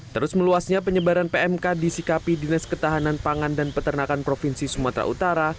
terus meluasnya penyebaran pmk disikapi dinas ketahanan pangan dan peternakan provinsi sumatera utara